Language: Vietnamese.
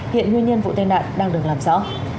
hiện nguyên nhân vụ tai nạn đang được làm rõ